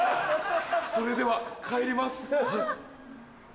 それでは帰ります。